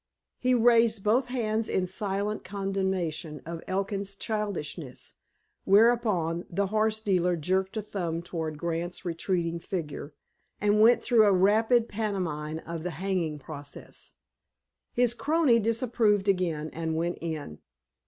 He raised both hands in silent condemnation of Elkin's childishness, whereupon the horse dealer jerked a thumb toward Grant's retreating figure, and went through a rapid pantomime of the hanging process. His crony disapproved again, and went in.